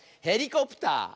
「ヘリコプター」！